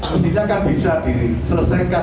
mestinya kan bisa diselesaikan